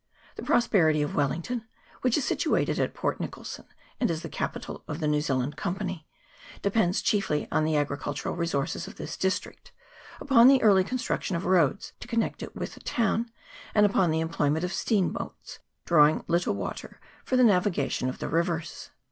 The prosperity of Wellington, which is situated at Port Nicholson, and is the capital of the New Zea land Company, depends chiefly on the agricultural resources of this district, upon the early construc tion of roads to connect it with the town, and upon the employment of steam boats drawing little 190 COOK'S STRAITS. [PART i. water for the navigation of the rivers.